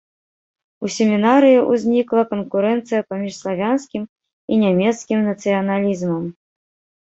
У семінарыі ўзнікла канкурэнцыя паміж славянскім і нямецкім нацыяналізмам.